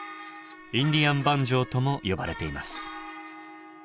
「インディアン・バンジョー」とも呼ばれています。